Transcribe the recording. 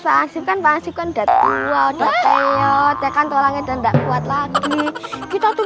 pasikan pasikan datang datang ya tekan tolongnya dan enggak kuat lagi kita tuh